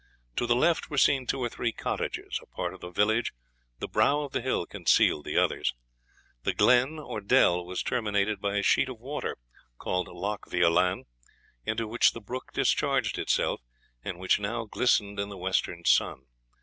To the left were seen two or three cottages, a part of the village, the brow of the hill concealed the others. The glen, or dell, was terminated by a sheet of water, called Loch Veolan, into which the brook discharged itself, and which now glistened in the western sun.